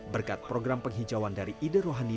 berkat program penghijauan dari ide rohani